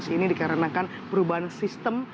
ini dikarenakan perubahan sistem